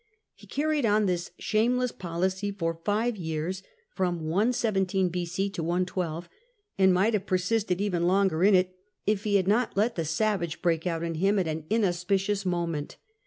He carried on this shameless policy for five years (b.C. 117 112), and might have persisted even longer in it, if he had not let the savage break out in him at an inauspicious moment.